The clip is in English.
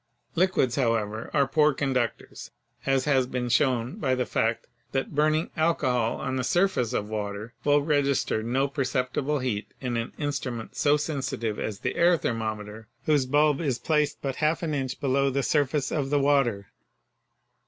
Liquids, however, are poor conductors, as has been shown by the fact that burning alcohol on the surface of water will register no perceptible heat in an instrument so 58 PHYSICS sensitive as the air thermometer whose bulb is placed but half an inch below the surface of the water.